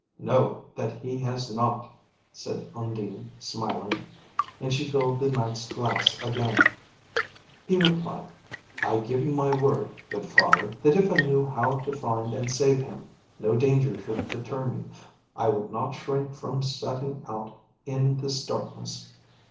"No, that he has not," said Undine, smiling; and she filled the Knight's glass again. He replied, "I give you my word, good father, that if I knew how to find and save him, no danger should deter me; I would not shrink from setting out in this darkness.